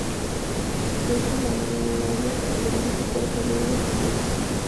De esta manera el Ajax logró su cuarta Liga de Campeones.